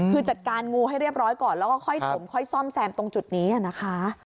คือจัดการงูให้เรียบร้อยก่อนแล้วก็ค่อยถมค่อยซ่อมแซมตรงจุดนี้นะคะ